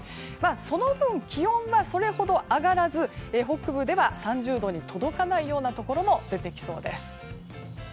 その分、気温はそれほど上がらず北部では３０度に届かないようなところも出てきそうです。